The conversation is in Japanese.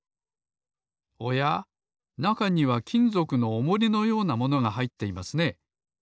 おやなかにはきんぞくのおもりのようなものがはいっていますね。